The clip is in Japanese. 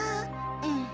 うん。